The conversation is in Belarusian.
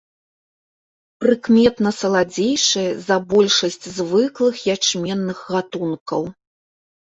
Прыкметна саладзейшае за большасць звыклых ячменных гатункаў.